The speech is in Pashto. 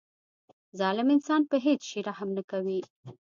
ظالم انسان په هیڅ شي رحم نه کوي.